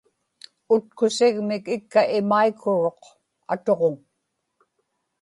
utkusigmik ikka imaikuruq, atuġuŋ